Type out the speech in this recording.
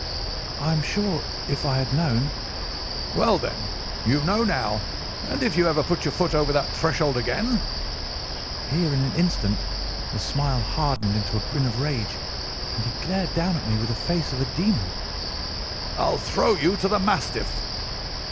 "'I am sure if I had known—' "'Well, then, you know now. And if you ever put your foot over that threshold again'—here in an instant the smile hardened into a grin of rage, and he glared down at me with the face of a demon—'I'll throw you to the mastiff.